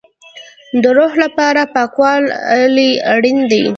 د روح لپاره پاکوالی اړین دی